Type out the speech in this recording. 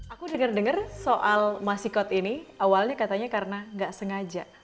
aku denger denger soal masikot ini awalnya katanya karena gak sengaja